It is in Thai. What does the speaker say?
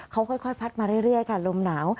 เขาค่อยพัดมาเรื่อยค่ะลมหนาว